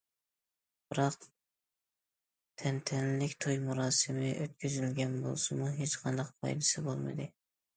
بىراق، تەنتەنىلىك توي مۇراسىمى ئۆتكۈزۈلگەن بولسىمۇ، ھېچقانداق پايدىسى بولمىدى.